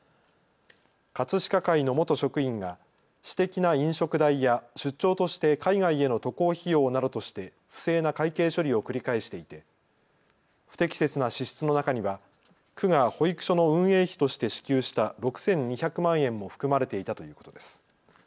葛飾会の元職員が私的な飲食代や出張として海外への渡航費用などとして不正な会計処理を繰り返していて不適切な支出の中には区が保育所の運営費として支給した６２００万円も含まれていたということです。